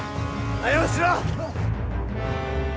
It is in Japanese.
早うしろ！